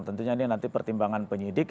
tentunya ini nanti pertimbangan penyidik